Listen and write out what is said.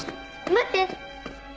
待って！